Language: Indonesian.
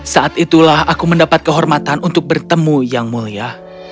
saat itulah aku mendapat kehormatan untuk bertemu yang mulia